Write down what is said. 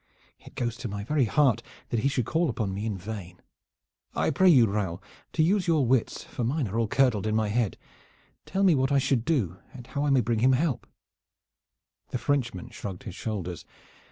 It goes to my very heart that he should call upon me in vain. I pray you, Raoul, to use your wits, for mine are all curdled in my head. Tell me what I should do and how I may bring him help." The Frenchman shrugged his shoulders.